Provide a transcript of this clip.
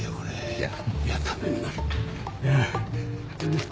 いや。